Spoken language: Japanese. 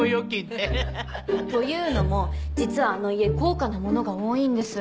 というのも実はあの家高価なものが多いんです。